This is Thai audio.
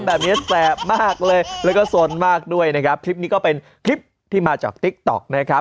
แบบนี้แสบมากเลยแล้วก็สนมากด้วยนะครับคลิปนี้ก็เป็นคลิปที่มาจากติ๊กต๊อกนะครับ